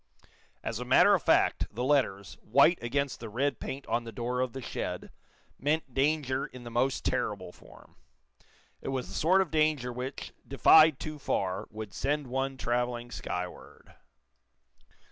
As a matter of fact, the letters, white against the red paint on the door of the shed, meant danger in the most terrible form. It was the sort of danger, which, defied too far, would send one traveling skyward.